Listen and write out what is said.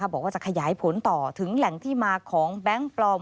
บอกว่าจะขยายผลต่อถึงแหล่งที่มาของแบงค์ปลอม